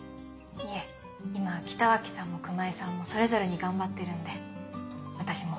いえ今北脇さんも熊井さんもそれぞれに頑張ってるんで私も。